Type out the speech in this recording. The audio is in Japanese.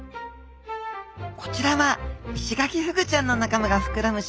こちらはイシガキフグちゃんの仲間が膨らむ